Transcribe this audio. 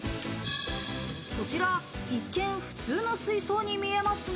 こちら、一見、普通の水槽に見えますが。